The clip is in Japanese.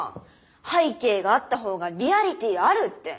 背景があったほうがリアリティあるって。